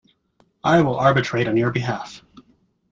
I will arbitrate on your behalf.